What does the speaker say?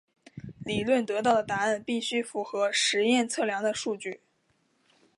理论得到的答案必须符合实验测量的数据。